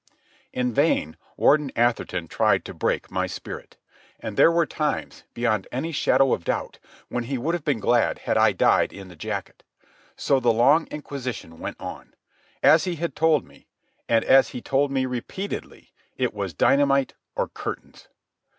In vain Warden Atherton tried to break my spirit. And there were times, beyond any shadow of doubt, when he would have been glad had I died in the jacket. So the long inquisition went on. As he had told me, and as he told me repeatedly, it was dynamite or curtains.